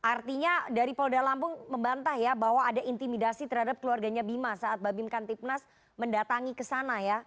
artinya dari polda lampung membantah ya bahwa ada intimidasi terhadap keluarganya bima saat babim kantipnas mendatangi ke sana ya